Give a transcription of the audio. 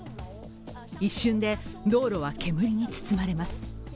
一瞬で道路は煙に包まれます。